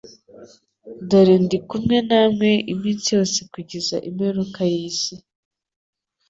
«dore ndi kumwe namwe iminsi yose kugeza ku mperuka y'isi.;»